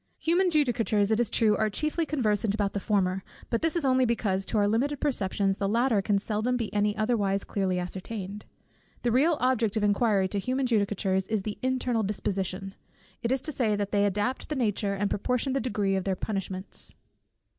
Human judicatures, it is true, are chiefly conversant about the former, but this is only because to our limited perceptions the latter can seldom be any otherwise clearly ascertained. The real object of inquiry to human judicatures is the internal disposition; it is to this that they adapt the nature, and proportion the degree, of their punishments.